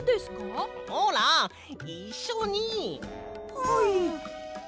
はい。